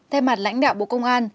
theo mặt lãnh đạo bộ công an